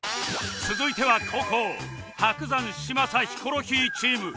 続いては後攻伯山嶋佐ヒコロヒーチーム